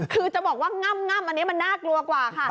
คือจะบอกว่าง่ำอันนี้มันน่ากลัวกว่าค่ะ